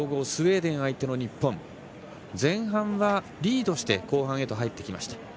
・スウェーデン相手の日本、前半はリードして後半へ入っていきました。